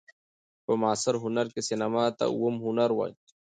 په معاصر هنر کښي سېنما ته اووم هنر وايي.